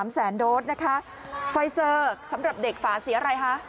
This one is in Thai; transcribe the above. ๓แสนโดสนะคะไฟเซอร์สำหรับเด็กฝาสีอะไรคะ